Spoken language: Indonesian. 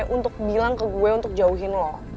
untuk bilang ke gue untuk jauhin loh